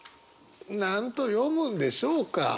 何と読むんでしょうか？